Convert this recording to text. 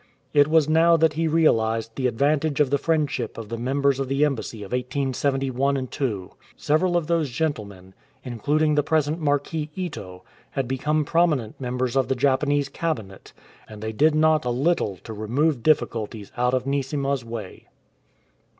It was now that he realized the advantage of the friendship of the members of the embassy of 1871 2. Several of those gentlemen, including the present Marquis Ito, had become prominent members of the Japanese Cabinet, and they did not a little to remove difficulties out of Neesima's way.